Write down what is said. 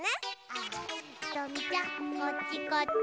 あひとみちゃんこっちこっち。